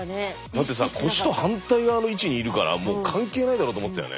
だってさ腰と反対側の位置にいるからもう関係ないだろうと思ったよね。